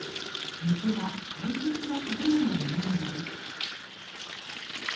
虫は大切な食べ物になるのです。